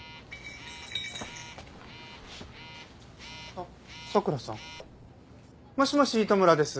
あっ佐倉さん。もしもし糸村です。